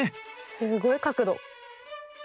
すごい角度。